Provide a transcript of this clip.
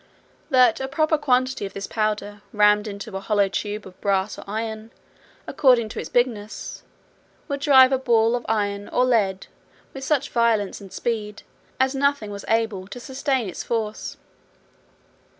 That a proper quantity of this powder rammed into a hollow tube of brass or iron, according to its bigness, would drive a ball of iron or lead, with such violence and speed, as nothing was able to sustain its force.